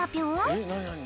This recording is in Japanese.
えっなになに？